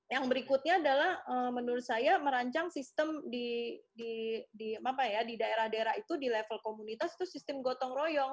yang berikutnya adalah menurut saya merancang sistem di daerah daerah itu di level komunitas itu sistem gotong royong